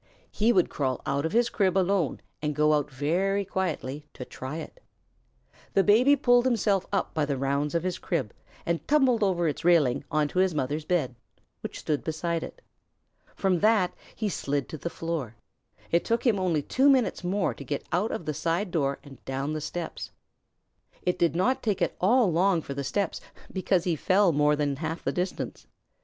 He would crawl out of his crib alone and go out very quietly to try it. The Baby pulled himself up by the rounds of his crib, and tumbled over its railing onto his mother's bed, which stood beside it. From that he slid to the floor. It took him only two minutes more to get out of the side door and down the steps. It did not take at all long for the steps, because he fell more than half the distance.